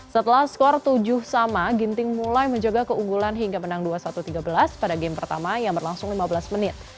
setelah skor tujuh sama ginting mulai menjaga keunggulan hingga menang dua satu tiga belas pada game pertama yang berlangsung lima belas menit